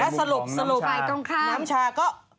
และสรุปสรุปน้ำชาก็